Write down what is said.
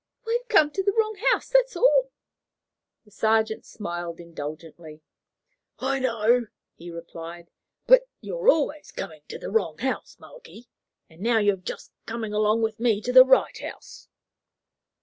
"We've come to the wrong house, that's all." The sergeant smiled indulgently. "I know," he replied. "But you're always coming to the wrong house, Moakey; and now you're just coming along with me to the right house."